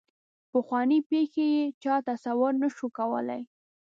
پخوانۍ پېښې یې چا تصور نه شو کولای.